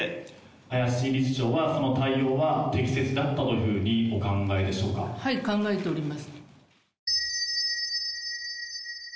林理事長は、その対応は適切だったというふうにお考えでしょはい、考えております。